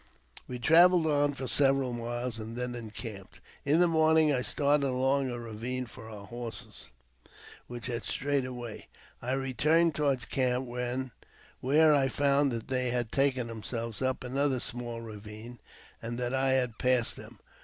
We travelled on for several miles, and then encamped. In the morning I started along a ravine for our horses, which had strayed away. I returned toward the camp, where I found that they had taken themselves up another small ravine, and that I had passed them.